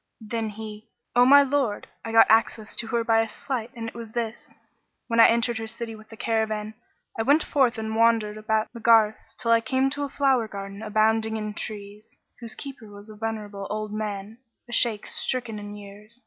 Then he, "O my lord, I got me access to her by a sleight and it was this. When I entered her city with the caravan, I went forth and wandered about the garths till I came to a flower garden abounding in trees, whose keeper was a venerable old man, a Shaykh stricken in years.